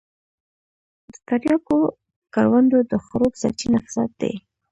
د تریاکو کروندو د خړوب سرچينه فساد دی.